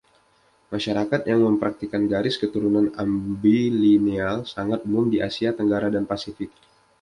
Masyarakat yang mempraktikkan garis keturunan ambilineal sangat umum di Asia Tenggara dan Pasifik.